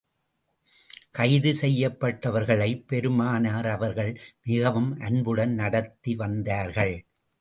கைது செய்யப்பட்டவர்களைப் பெருமானார் அவர்கள் மிகவும் அன்புடன் நடத்தி வந்தார்கள்.